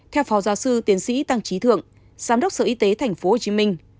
theo phó giáo sư tiến sĩ tăng trí thượng giám đốc sở y tế tp hcm